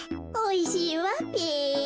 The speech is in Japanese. おいしいわべ。